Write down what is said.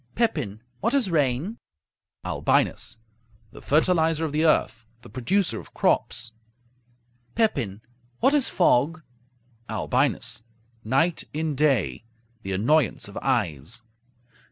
Pepin What is rain? Albinus The fertilizer of the earth; the producer of crops. Pepin What is fog? Albinus Night in day; the annoyance of eyes.